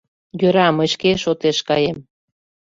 — Йӧра, мый шке шотеш каем.